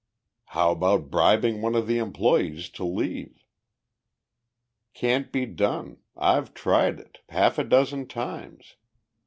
"How about bribing one of the employees to leave?" "Can't be done. I've tried it half a dozen times.